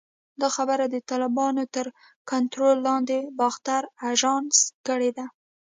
دا خبره د طالبانو تر کنټرول لاندې باختر اژانس کړې ده